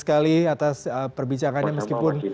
sekali atas perbicangannya meskipun